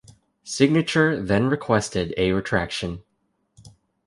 Signature then requested a retraction.